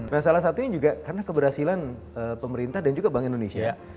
nah salah satunya juga karena keberhasilan pemerintah dan juga bank indonesia